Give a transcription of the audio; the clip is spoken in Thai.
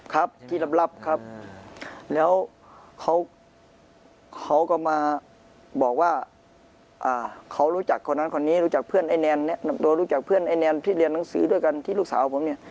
ครับที่ลับครับแล้วเขาก็มาบอกว่าเขารู้จักคนนั้นคนนี้รู้จักเพื่อนไอ้แนนโดยรู้จักเพื่อนไอ้แนนที่เรียนหนังสือด้วยกันที่ลูกสาวผมเนี่ย